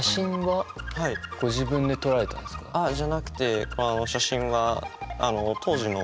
それあじゃなくてこの写真は当時の？